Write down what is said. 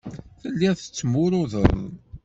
Telliḍ tettmurudeḍ.